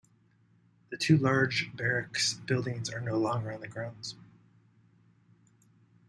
The two large barracks buildings are no longer on the grounds.